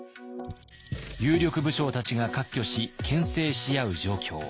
有力武将たちが割拠しけん制し合う状況。